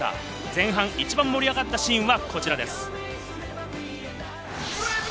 前半、一番盛り上がったシーンはこちらです。